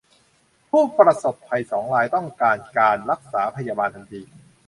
ผู้ประสบภัยสองรายต้องการการรักษาพยาบาลทันที